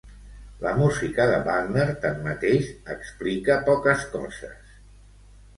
La música de Wagner, tanmateix, explica poques coses.